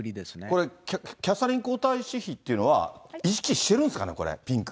これ、キャサリン皇太子妃っていうのは、意識してるんですかね、ピンク。